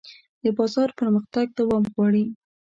د بازار پرمختګ دوام غواړي.